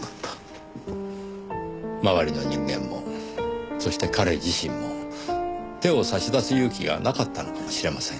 周りの人間もそして彼自身も手を差し出す勇気がなかったのかもしれません。